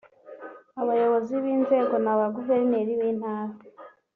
abayobozi b’inzego na ba Guverineri b’Intara